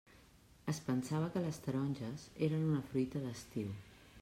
Es pensava que les taronges eren una fruita d'estiu.